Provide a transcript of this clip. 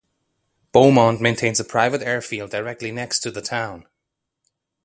Beaumont maintains a private airfield directly next to the town.